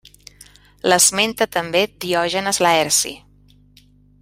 L'esmenta també Diògenes Laerci.